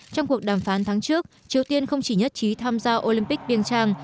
trong cuộc đàm phán tháng trước triều tiên không chỉ nhất trí tham gia olympic pyeongchang